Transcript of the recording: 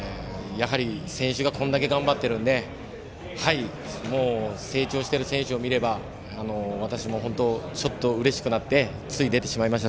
やはり、選手がこれだけ頑張ってるので成長してる選手を見れば私もちょっとうれしくなってつい、出てしまいました。